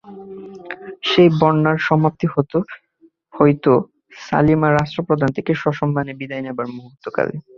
সেই বন্যার সমাপ্তি হতো হয়তো সালিমা রাষ্ট্রপ্রধান থেকে সসম্মানে বিদায় নেবার মুহূর্তকালে।